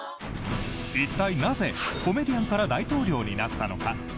一体なぜ、コメディアンから大統領になったのか。